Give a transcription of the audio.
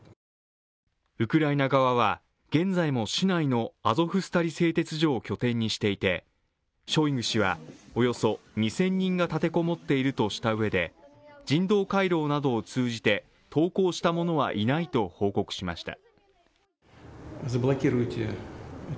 ウクライナ側は現在も市内のアゾフスタリ製鉄所を拠点にしていてショイグ氏は、およそ２０００人が立て籠もっているとしたうえで人道回廊などを通じて投稿した者はいないと報告しました。